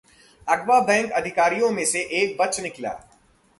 अगवा बैंक अधिकारियों में से एक बच निकला